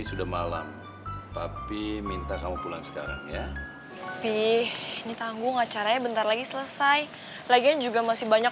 udah lah boy mau aku pulang cepet mau pulang lama